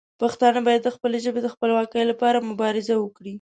پښتانه باید د خپلې ژبې د خپلواکۍ لپاره مبارزه وکړي.